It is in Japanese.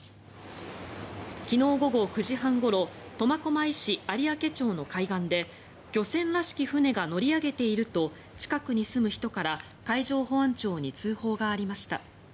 昨日午後９時半ごろ苫小牧市有明町の海岸で漁船らしき船が乗り上げていると近くに住む人から海上保安庁に通報がありました。